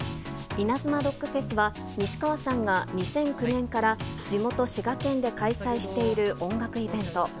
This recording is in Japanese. イナズマロックフェスは、西川さんが２００９年から地元、滋賀県で開催している音楽イベント。